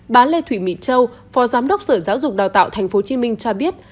bà lê thủy mỹ châu phó giám đốc sở giáo dục đào tạo tp hcm cho biết